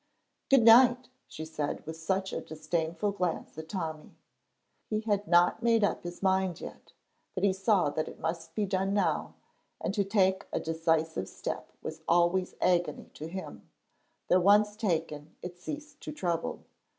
"Good night," she said, with such a disdainful glance at Tommy. He had not made up his mind yet, but he saw that it must be done now, and to take a decisive step was always agony to him, though once taken it ceased to trouble.